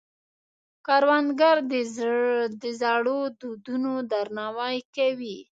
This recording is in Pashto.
کروندګر د زړو دودونو درناوی کوي